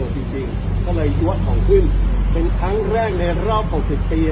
จริงก็เลยยั้วของขึ้นเป็นครั้งแรกในรอบ๖๐ปี